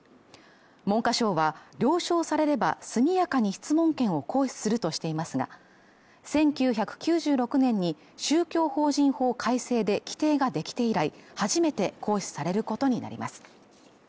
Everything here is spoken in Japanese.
文科省は了承されれば速やかに質問権を行使するとしていますが１９９６年に宗教法人法改正で規定が出来て以来初めて行使されることになります